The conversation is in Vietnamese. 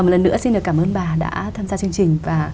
một lần nữa xin cảm ơn bà đã tham gia chương trình và